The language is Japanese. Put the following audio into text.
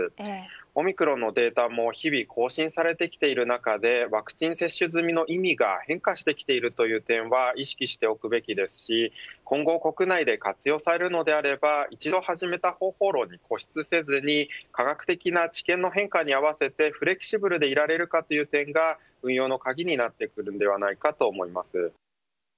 オミクロンのデータも日々更新されてきている中でワクチン接種済みの意味が変化してきているという点は意識しておくべきですし今後、国内で活用されるのであれば一度始めた方法論に固執せずに科学的な知見の変化に合わせてフレキシブルでいられるかという点が運用の鍵になってくるのではないかと思います。